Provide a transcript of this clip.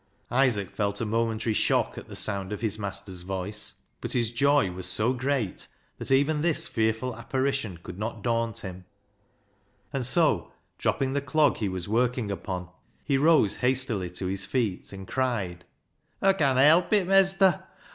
Isaac felt a momentary shock at the sound of his master's voice, but his joy was so great that even this fearful apparition could not daunt him, and so, dropping the clog, he was working upon, he rose hastily to his feet and cried —" Aw conna help it, mestur.